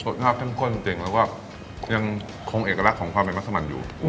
ภาพเข้มข้นจริงแล้วก็ยังคงเอกลักษณ์ของความเป็นมัสมันอยู่